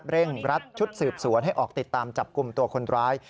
เร่งรัดชุดสืบสวนให้ออกติดตามจับกลุ่มตัวคนร้าย